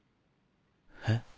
えっ？